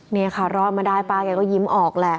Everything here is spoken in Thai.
นี่ค่ะรอดมาได้ป้าแกก็ยิ้มออกแหละ